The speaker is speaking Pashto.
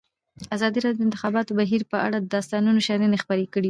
ازادي راډیو د د انتخاباتو بهیر په اړه د استادانو شننې خپرې کړي.